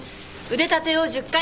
腕立てを１０回。